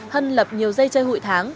hân lập nhiều dây chơi hụi tháng